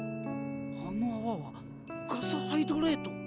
あの泡はガスハイドレート。